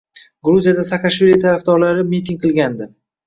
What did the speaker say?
Gruziyada Saakashvili tarafdorlari miting qilgandi.